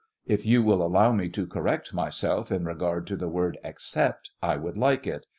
If you will allow me to correct myself in regard 49 to the word "except," I would like it.